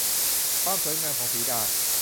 ความสวยงามของสีดา